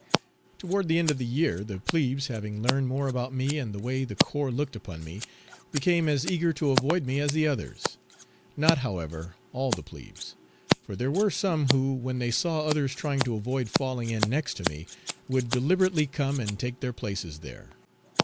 Toward the end of the year the plebes, having learned more about me and the way the corps looked upon me, became as eager to avoid me as the others. Not, however, all the plebes, for there were some who, when they saw others trying to avoid falling in next to me, would deliberately come and take their places there.